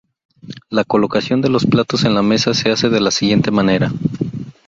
La colocación de los platos en la mesa se hace de la siguiente manera.